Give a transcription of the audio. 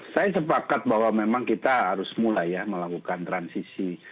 saya sepakat bahwa memang kita harus mulai ya melakukan transisi